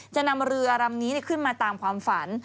จะนำเรือลำนี้ขึ้นมาตามความฝัน